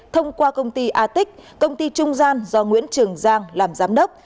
thông qua công ty a tic công ty trung gian do nguyễn trường giang làm giám đốc